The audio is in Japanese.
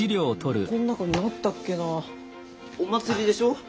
この中にあったっけなお祭りでしょ？